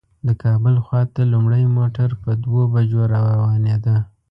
د کابل خواته لومړی موټر په دوو بجو روانېده.